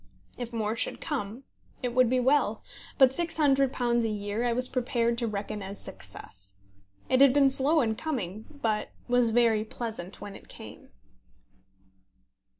If more should come, it would be well; but £600 a year I was prepared to reckon as success. It had been slow in coming, but was very pleasant when it came.